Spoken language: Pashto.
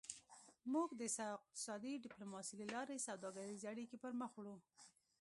موږ د اقتصادي ډیپلوماسي له لارې سوداګریزې اړیکې پرمخ وړو